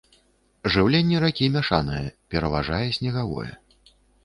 Жыўленне ракі мяшанае, пераважае снегавое.